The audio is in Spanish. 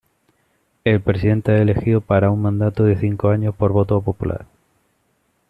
El presidente es elegido para un mandato de cinco años por voto popular.